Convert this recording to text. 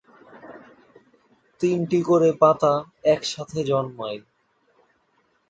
তিনটি করে পাতা একসাথে জন্মায়।